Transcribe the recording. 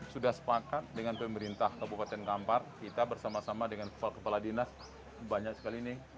sudah sepakat dengan pemerintah kabupaten kampar kita bersama sama dengan kepala kepala dinas banyak sekali ini